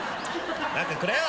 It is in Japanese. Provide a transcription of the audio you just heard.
何かくれよ！